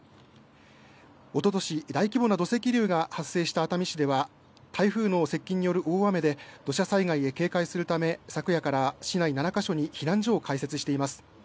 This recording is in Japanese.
おととし、大規模な土石流が発生した熱海市では台風の接近による大雨で土砂災害へ警戒するため昨夜から市内７か所に避難所を開設しています。